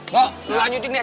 bu lanjutin deh